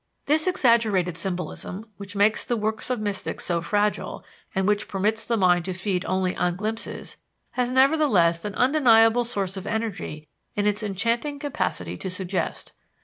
This exaggerated symbolism, which makes the works of mystics so fragile, and which permits the mind to feed only on glimpses, has nevertheless an undeniable source of energy in its enchanting capacity to suggest.